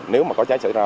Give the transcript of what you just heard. nếu mà có cháy xảy ra